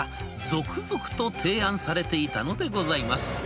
続々と提案されていたのでございます。